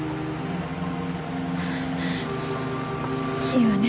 いいわね？